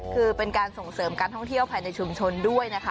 คือเป็นการส่งเสริมการท่องเที่ยวภายในชุมชนด้วยนะคะ